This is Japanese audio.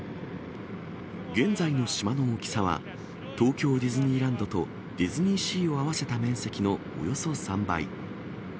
現在の島の大きさは、東京ディズニーランドとディズニーシーを合わせた面積のおよそ３倍。